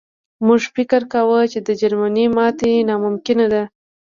موږ فکر کاوه چې د جرمني ماتې ناممکنه ده